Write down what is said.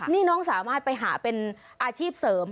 นี่น้องสามารถไปหาเป็นอาชีพเสริม